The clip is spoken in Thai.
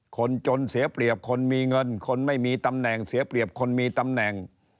คนจนเสียเปรียบคนมีเงินคนไม่มีตำแหน่งเสียเปรียบคนมีตำแหน่ง